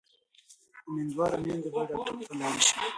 امیندواره میندې باید ډاکټر ته لاړې شي.